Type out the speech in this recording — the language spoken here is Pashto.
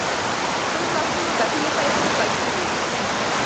په خپلو لاسونو ګتلي پیسې خوږې وي.